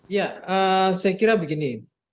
ya saya kira begini